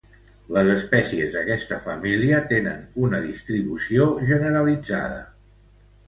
Les espècies d’aquesta família tenen una distribució generalitzada.